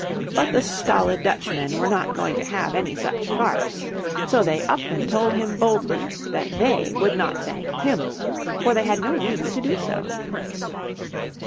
But the stolid Dutchmen were not going to have any such farce. So they up and told him boldly that they would not thank him, for they had no reason to do so.